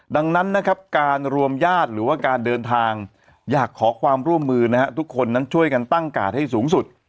ดังนั้นนะครับการรวมญาติหรือว่าการเดินทางอยากขอความร่วมมือนะฮะทุกคนนั้นช่วยกันตั้งกาดให้สูงสุด